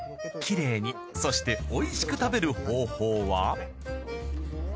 キレイにそしておいしく食べる方法は？